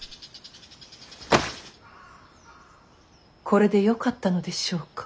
これでよかったのでしょうか。